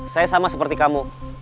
saya sama seperti kamu